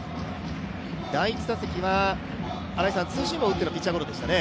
第１打席は、ツーシームを打ってのピッチャーゴロでしたね。